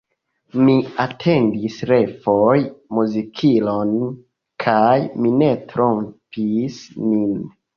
Mi atendis refoje muzikilon kaj mi ne trompis min.